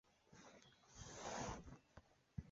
西班牙广场的西端。